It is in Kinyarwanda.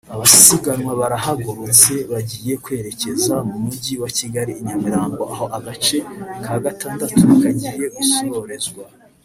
Abasiganwa barahagurutse bagiye kwerekeza mu Mujyi wa Kigali i Nyamirambo aho agace ka Gatandatu kagiye gusorezwa